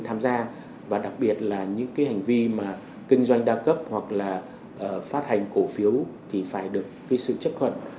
tham gia và đặc biệt là những cái hành vi mà kinh doanh đa cấp hoặc là phát hành cổ phiếu thì phải được cái sự chấp thuận